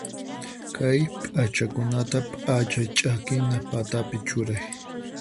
Chay p'achakunata p'acha ch'akina patapi churay.